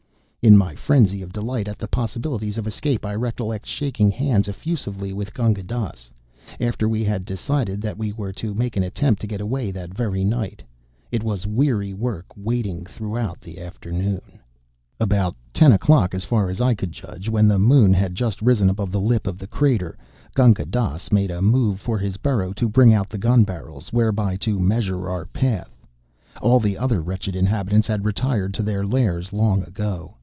In my frenzy of delight at the possibilities of escape I recollect shaking hands effusively with Gunga Dass, after we had decided that we were to make an attempt to get away that very night. It was weary work waiting throughout the afternoon. About ten o'clock, as far as I could judge, when the Moon had just risen above the lip of the crater, Gunga Dass made a move for his burrow to bring out the gun barrels whereby to measure our path. All the other wretched inhabitants had retired to their lairs long ago.